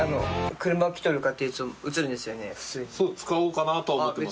使おうかなとは思ってます